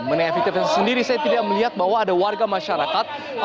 mengenai efektivitas sendiri saya tidak melihat bahwa ada warga masyarakat